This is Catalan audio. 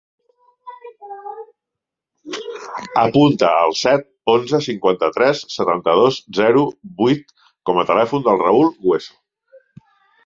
Apunta el set, onze, cinquanta-tres, setanta-dos, zero, vuit com a telèfon del Raül Hueso.